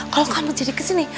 kalau kamu jadi kesini